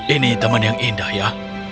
ini teman yang indah ya